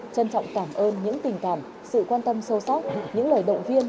trân trọng cảm ơn những tình cảm sự quan tâm sâu sắc những lời động viên